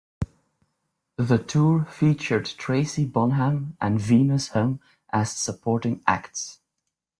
The tour featured Tracy Bonham and Venus Hum as supporting acts.